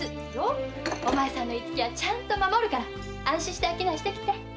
おまえさんの言いつけはちゃんと守るから安心して商いしてきて！